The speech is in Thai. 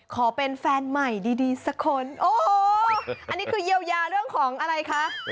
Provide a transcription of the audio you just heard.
ขอเป็นแฟนใหม่ดีสักคนโอ้โหอันนี้คือเยียวยาเรื่องของอะไรคะ